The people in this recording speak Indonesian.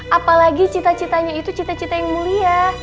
apalagi cita citanya itu cita cita yang mulia